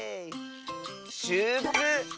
「しゅーく」！